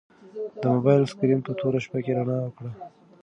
د موبایل سکرین په توره شپه کې رڼا وکړه.